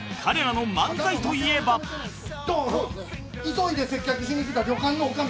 急いで接客しに来た旅館のおかみ。